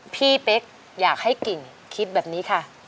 เป๊กอยากให้กิ่งคิดแบบนี้ค่ะ